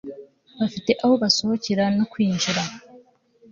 bafite aho basohokera no kwinjira